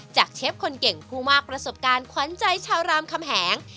เชฟคนเก่งผู้มากประสบการณ์ขวัญใจชาวรามคำแหง